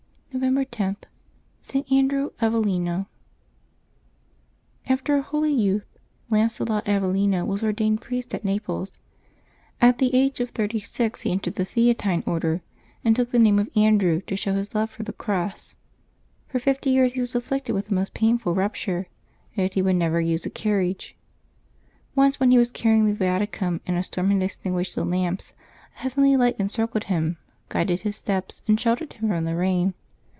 November 10.— ST. ANDREW AVELLINO. aETER a holy youth, Lancelot Avellino was ordained priest at Naples. At the age of thirty six he en tered the Theatine Order, and took the name of Andrew, to show his love for the cross. For fifty years he was afflicted with a most painful rupture; yet he would never use a carriage. Once when he was carrying the Viaticum, and a storm had extinguished the lamps, a heavenly Light NovEMBEB 11] LIVES OF THE SAINTS 355 encircled him, guided his steps, and sheltered him from the rain.